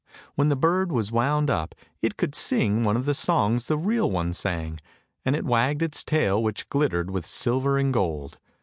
When the bird was wound up, it could sing one of the songs the real one sang, and it wagged its tail which glittered with silver and gold.